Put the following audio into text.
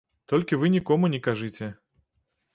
Толькі вы нікому не кажыце.